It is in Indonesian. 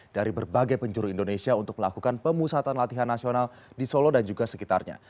dari berbagai penjuru indonesia untuk melakukan pemusatan latihan nasional di solo dan juga sekitarnya